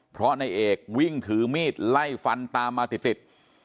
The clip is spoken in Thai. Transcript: เพราะนายเอกวิ่งถือมีดไล่ฟันตามมาติด